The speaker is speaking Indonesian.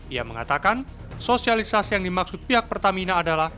ia mengatakan sosialisasi yang dimaksud pihak pertamina adalah